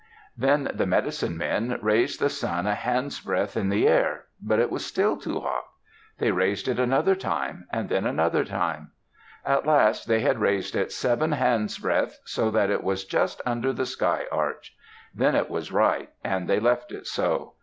Then the medicine men raised the sun a handsbreadth in the air, but it was still too hot. They raised it another time; and then another time; at last they had raised it seven handsbreadths so that it was just under the sky arch. Then it was right and they left it so.